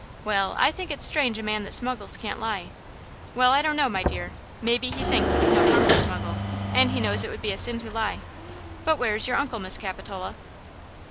"Well, I think it's strange a man that smuggles can't lie!" "Well, I don't know, my dear–may be he thinks it's no harm to smuggle, and he knows it would be a sin to lie. But where is your uncle, Miss Capitola?"